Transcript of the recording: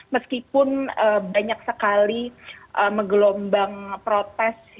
meskipun banyak sekali menggelombang protes